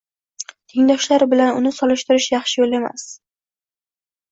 tengdoshlari bilan uni solishtirish yaxshi yo‘l emas.